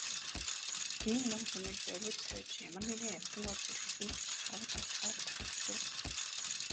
Энэ нум сумыг зориуд сойж ямар нэгэн амьтан орж ирэхэд нь харваж алахаар тааруулжээ.